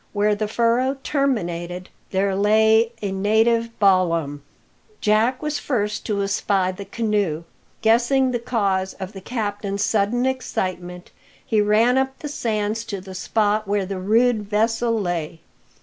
Where the furrow terminated there lay a native ballam. Jack was first to espy the canoe. Guessing the cause of the captain's sudden excitement, he ran up the sands to the spot where the rude vessel lay.